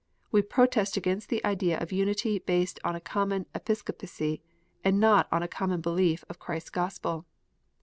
We protest against the idea of unity based on a common Episcopacy, and not on a common belief of Christ s Gospel.